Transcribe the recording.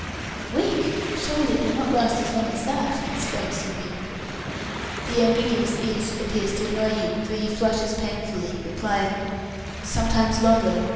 "A week! Surely it will not last so long as that!" exclaims Sylvia. The ambiguous "it" appears to annoy him, for he flushes painfully, replying, "Sometimes longer.